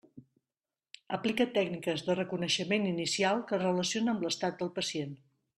Aplica tècniques de reconeixement inicial que relaciona amb l'estat del pacient.